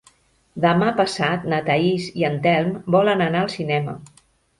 Demà passat na Thaís i en Telm volen anar al cinema.